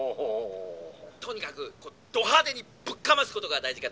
「とにかくど派手にぶっかますことが大事かと。